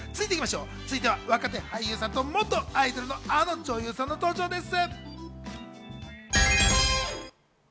続いては若手俳優さんと元アイドルのあの女優さんの登場です。